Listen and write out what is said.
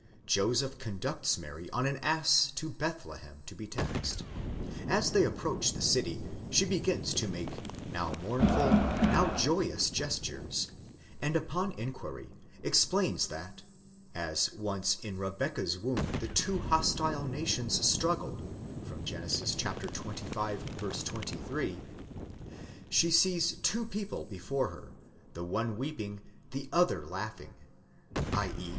Joseph conducts Mary on an ass to Bethlehem to be taxed. As they approach the city she begins to make now mournful, now joyous gestures, and upon inquiry explains that—(as once in Rebecca's womb the two hostile nations struggled, Gen. xxv. 23)—she sees two people before her, the one weeping, the other . laughing: ze.